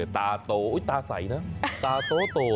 ตาโตตาใสนะตาโตโตอ่ะ